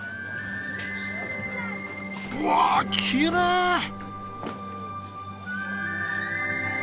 うわきれい！